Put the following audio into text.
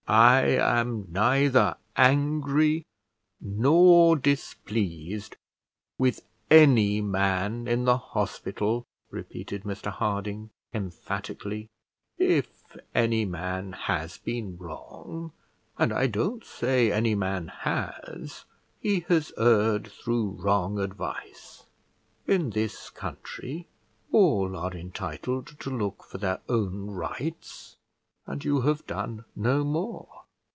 "I am neither angry nor displeased with any man in the hospital," repeated Mr Harding, emphatically. "If any man has been wrong, and I don't say any man has, he has erred through wrong advice. In this country all are entitled to look for their own rights, and you have done no more.